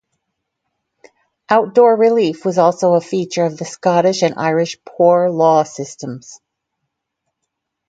Outdoor relief was also a feature of the Scottish and Irish Poor Law systems.